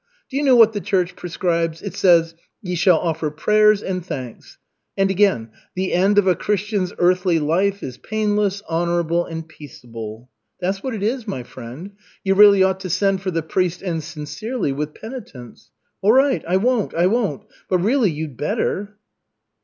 Do you know what the Church prescribes? It says, 'Ye shall offer prayers and thanks.' And again, 'The end of a Christian's earthly life is painless, honorable and peaceable.' That's what it is, my friend. You really ought to send for the priest and sincerely, with penitence. All right, I won't, I won't. But really you'd better."